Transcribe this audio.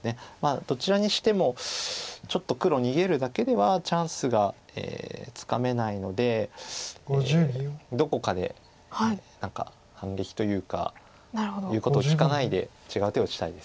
どちらにしてもちょっと黒逃げるだけではチャンスがつかめないのでどこかで何か反撃というか言うことを聞かないで違う手を打ちたいです。